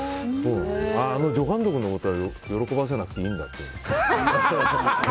あの助監督のことは喜ばせなくていいんだと思って。